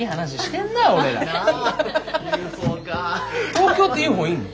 東京ってＵＦＯいんの？